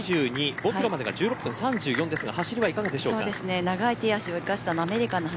５キロまでが１６分３４ですが走りはいかがですか。